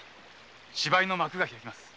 芝居の幕が開きます。